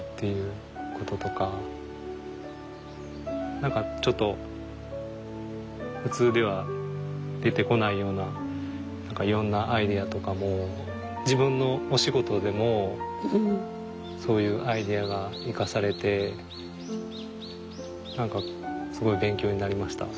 何かちょっと普通では出てこないようないろんなアイデアとかも自分のお仕事でもそういうアイデアが生かされて何かすごい勉強になりました。